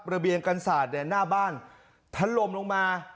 เบียงกันศาสตร์เนี่ยหน้าบ้านทันลมลงมา